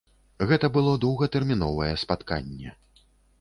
Гэта было доўгатэрміновае спатканне.